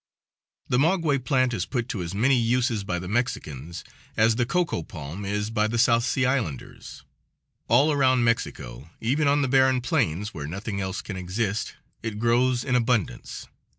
The maguey plant is put to as many uses by the Mexicans as the cocoa palm is by the South Sea Islanders. All around Mexico, even on the barren plains where nothing else can exist, it grows in abundance.